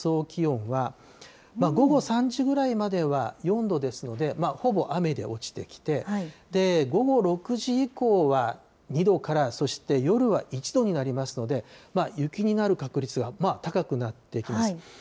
気温は、午後３時ぐらいまでは４度ですので、ほぼ雨で落ちてきて、午後６時以降は、２度からそして夜は１度になりますので、雪になる確率が高くなってきます。